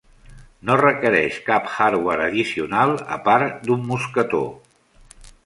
No requereix cap hardware addicional a part d'un mosquetó.